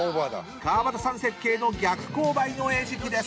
［川畑さん設計の逆勾配の餌食です］